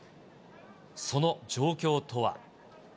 その状況とは。